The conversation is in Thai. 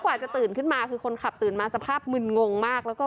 กว่าจะตื่นขึ้นมาคือคนขับตื่นมาสภาพมึนงงมากแล้วก็